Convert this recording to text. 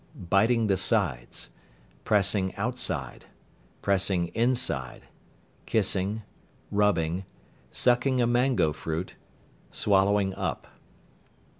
Biting the sides. Pressing outside. Pressing inside. Kissing. Rubbing. Sucking a mangoe fruit. Swallowing up.